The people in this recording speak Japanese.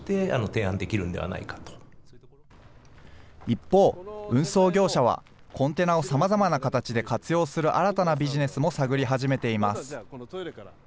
一方、運送業者はコンテナをさまざまな形で活用する新たなビジネスも探り始めています。